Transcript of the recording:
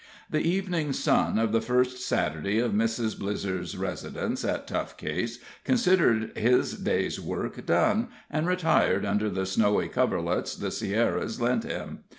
The evening sun of the first Saturday of Mrs. Blizzer's residence at Tough Case considered his day's work done, and retired under the snowy coverlets the Sierras lent him.